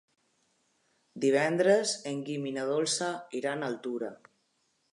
Divendres en Guim i na Dolça iran a Altura.